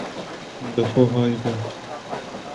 li xwe hay be